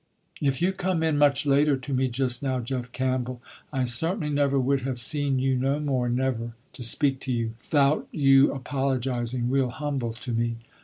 "If you come in much later to me just now, Jeff Campbell, I certainly never would have seen you no more never to speak to you, 'thout your apologising real humble to me."